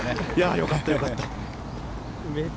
よかったよかった。